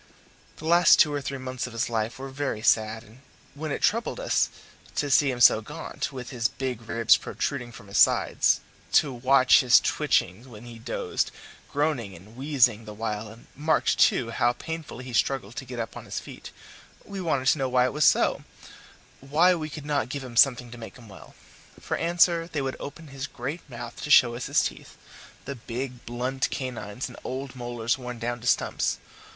The last two or three months of his life were very sad, and when it troubled us to see him so gaunt, with his big ribs protruding from his sides, to watch his twitchings when he dozed, groaning and wheezing the while, and marked, too, how painfully he struggled to get up on his feet, we wanted to know why it was so why we could not give him something to make him well? For answer they would open his great mouth to show us his teeth the big blunt canines and old molars worn down to stumps.